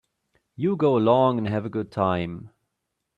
You go along and have a good time.